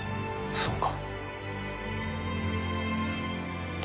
そうか。